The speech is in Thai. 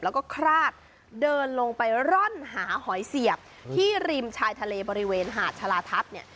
แล้วก็คราดเดินลงไปร่อนหาหอยเสียบที่ริมชายทะเลบริเวณหาดชาลาทัศน์เนี่ย